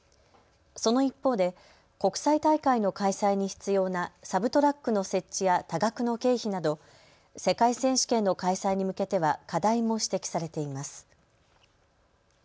その一方で国際大会の開催に必要なサブトラックの設置や多額の経費など世界選手権の開催に向けては課題も指摘されています。